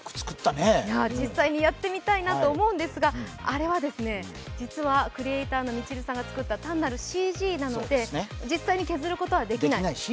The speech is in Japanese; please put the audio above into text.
実際にやってみたいなと思うんですが、あれは実はクリエイターのみちるさんが作った単なるＣＧなので、実際に削ることはできない。